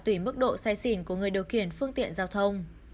tùy mức độ say xỉn của người điều khiển phương tiện giao thông